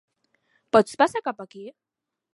Pots passar cap aquí?